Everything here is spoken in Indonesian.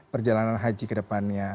perjalanan haji ke depannya